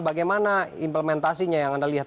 bagaimana implementasinya yang anda lihat